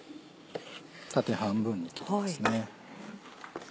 縦半分に切りますね。